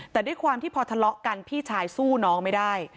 แต่ด้วยความที่พอทะเลาะกันพี่ชายสู้น้องไม่ได้